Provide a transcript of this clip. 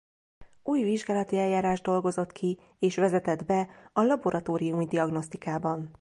Új vizsgálati eljárást dolgozott ki és vezetett be a laboratóriumi diagnosztikában.